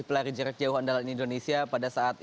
pelari jarak jauh andalan indonesia pada saat